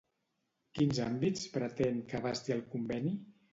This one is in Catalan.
Quins àmbits pretén que abasti el conveni?